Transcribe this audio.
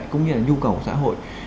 cũng như là nhu cầu của xã hội